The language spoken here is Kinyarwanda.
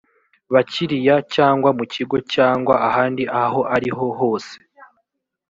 bakiriya cyangwa mu kigo cyangwa ahandi ahoriho hose